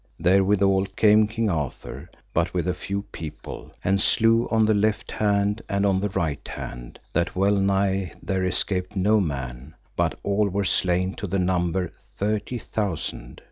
Therewithal came King Arthur but with a few people, and slew on the left hand and on the right hand, that well nigh there escaped no man, but all were slain to the number thirty thousand.